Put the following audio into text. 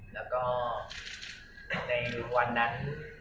แล้วก็ในวันนั้น